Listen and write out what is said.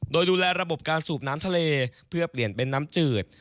โดยดูแลระบบการสูบน้ำทะเลเพื่อเปลี่ยนเป็นน้ำจืด